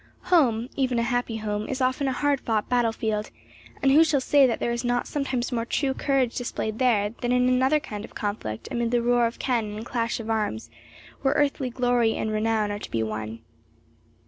Home, even a happy home, is often a hard fought battle field; and who shall say that there is not sometimes more true courage displayed there than in another kind of conflict amid the roar of cannon and clash of arms, where earthly glory and renown are to be won.